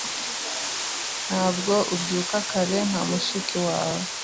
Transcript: Ntabwo ubyuka kare nka mushiki wawe.